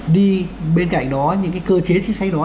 đi bên cạnh đó những cái cơ chế chính sách đó